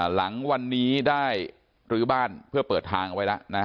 หลังวันนี้ได้รื้อบ้านเพื่อเปิดทางเอาไว้แล้วนะ